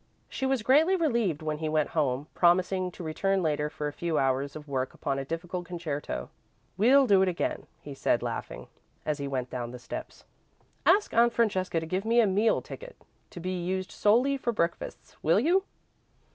She was greatly relieved when he went home, promising to return later for a few hours of work upon a difficult concerto. "We'll do it again," he said, laughing, as he went down the steps. "Ask Aunt Francesca to give me a meal ticket, to be used solely for breakfasts, will you?"